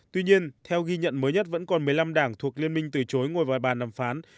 tuy nhiên theo ghi nhận mới nhất vẫn còn một mươi năm đảng thuộc liên minh từ chối ngồi vào bàn đàm phán